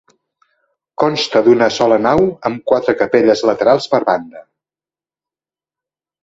Consta d'una sola nau amb quatre capelles laterals per banda.